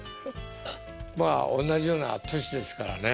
まあおんなじような年ですからね。